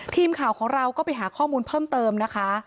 ทีมข่าวของเราก็ไปหาข้อมูลเพิ่มเติมนะคะ